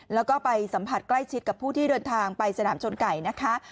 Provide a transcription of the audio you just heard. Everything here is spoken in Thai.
แล้วก็ไปสัมผัสใกล้ชิดกับผู้ที่เดินทางไปสนามชนไก่นะคะ